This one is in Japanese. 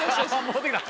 戻ってきた